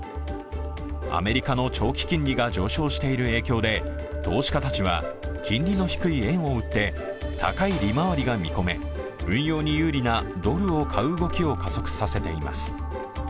アメリカの長期金利が上昇している影響で投資家たちは、金利の低い円を売って、高い利回りが見込め、運用に有利なドルを買う動きを加速させています。